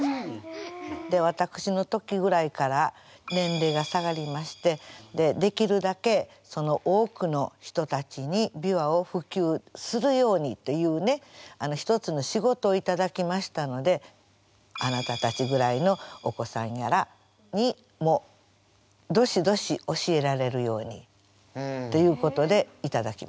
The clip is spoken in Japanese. で私の時ぐらいから年齢が下がりましてできるだけ多くの人たちに琵琶を普及するようにというね一つの仕事をいただきましたのであなたたちぐらいのお子さんやらにもどしどし教えられるようにっていうことでいただきました。